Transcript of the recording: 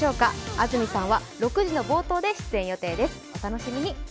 安住さんは６時の冒頭で出演予定です、お楽しみに。